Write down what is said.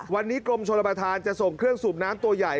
วันนี้กรมชนประธานจะส่งเครื่องสูบน้ำตัวใหญ่